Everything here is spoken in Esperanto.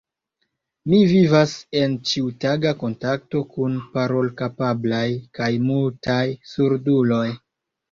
Mi vivas en ĉiutaga kontakto kun parolkapablaj kaj mutaj surduloj.